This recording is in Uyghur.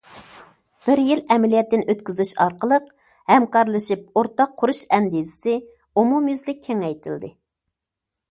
بىر يىل ئەمەلىيەتتىن ئۆتكۈزۈش ئارقىلىق، ھەمكارلىشىپ ئورتاق قۇرۇش ئەندىزىسى ئومۇميۈزلۈك كېڭەيتىلدى.